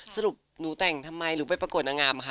สรุปหนูแต่งทำไมหนูไปประกวดนางงามค่ะ